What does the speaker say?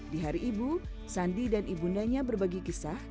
di hari ibu sandi dan ibundanya berbagi kisah